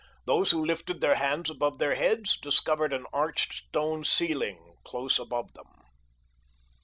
Those who lifted their hands above their heads discovered an arched stone ceiling close above them.